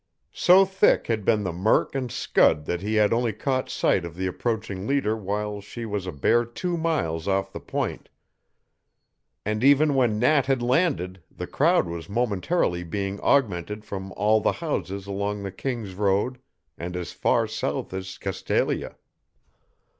So thick had been the murk and scud that he had only caught sight of the approaching leader while she was a bare two miles off the point, and even when Nat had landed the crowd was momentarily being augmented from all the houses along the King's Road and as far south as Castalia.